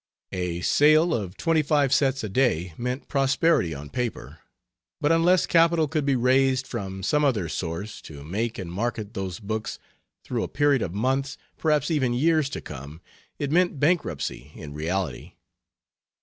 A sale of twenty five sets a day meant prosperity on paper, but unless capital could be raised from some other source to make and market those books through a period of months, perhaps even years, to come, it meant bankruptcy in reality.